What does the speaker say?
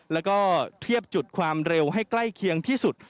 แล้วก็เทียบจุดความเร็วให้ใกล้เคียงที่สุด